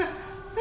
え？